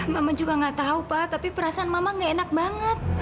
mama juga nggak tahu pak tapi perasaan mama gak enak banget